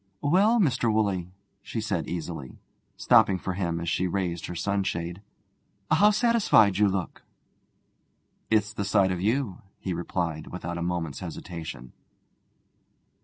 'Well, Mr. Woolley,' she said easily, stopping for him as she raised her sunshade, 'how satisfied you look!' 'It's the sight of you,' he replied, without a moment's hesitation.